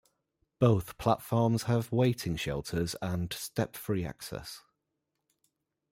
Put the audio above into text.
Both platforms have waiting shelters and step-free access.